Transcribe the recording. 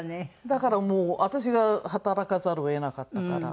だからもう私が働かざるを得なかったから。